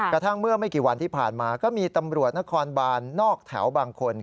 กระทั่งเมื่อไม่กี่วันที่ผ่านมาก็มีตำรวจนครบานนอกแถวบางคน